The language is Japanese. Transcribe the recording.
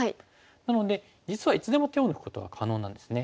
なので実はいつでも手を抜くことが可能なんですね。